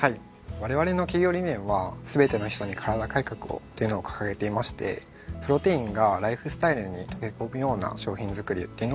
われわれの企業理念は。っていうのを掲げていましてプロテインがライフスタイルに溶け込むような商品づくりっていうのをしています。